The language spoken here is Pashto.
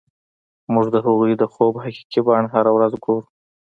موږ د هغوی د خوب حقیقي بڼه هره ورځ ګورو